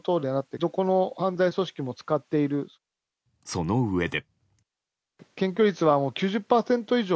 そのうえで。